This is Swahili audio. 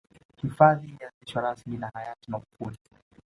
hifadhi ilianzishwa rasmi na hayati magufuli